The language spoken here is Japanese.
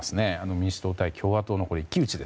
民主党対共和党の一騎打ち。